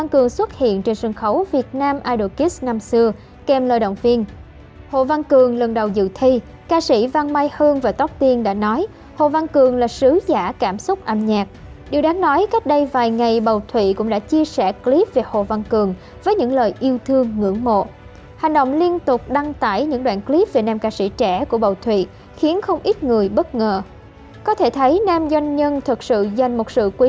còn bây giờ xin chào và hẹn gặp lại trong những chương trình lần sau